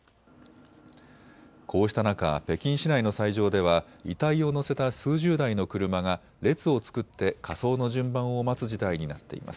こうした中、北京市内の斎場では遺体を乗せた数十台の車が列を作って火葬の順番を待つ事態になっています。